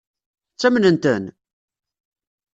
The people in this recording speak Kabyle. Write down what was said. Ttamnen-ten?